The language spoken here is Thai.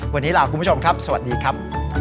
วันนี้ลาคุณผู้ชมครับสวัสดีครับ